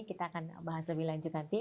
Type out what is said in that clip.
kita akan bahas lebih lanjut nanti